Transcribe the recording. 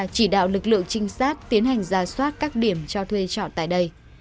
chỉ đạo lực lượng trinh sát tiến hành ra soát các điểm cho thuê trọ tại đây